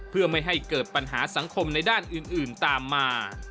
เพื่อไม่ให้เกิดปัญหาสังคมในด้านอื่นตามมา